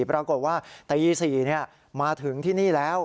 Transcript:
ปรากฏว่าตี๔มาถึงที่นี่แล้ว